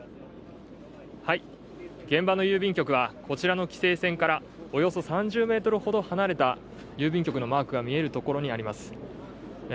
現場の郵便局はこちらの規制線からおよそ３０ｍほど離れた郵便局のマークが見えるところにあります。